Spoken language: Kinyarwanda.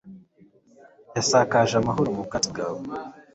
yasakaje amahoro mu bwatsi bwawe